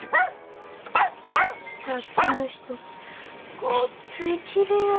さっきの人ごっついきれいやったなあ。